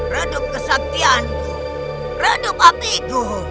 redup kesaktianku redup apiku